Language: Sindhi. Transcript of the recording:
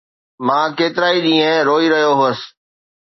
مان ڪيترائي ڏينهن روئي رهيو هوس